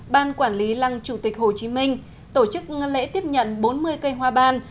ban quản lý lăng chủ tịch hồ chí minh tổ chức lễ tiếp nhận bốn mươi cây hoa ban